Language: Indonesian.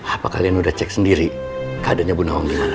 apa kalian udah cek sendiri keadanya bu nawang gimana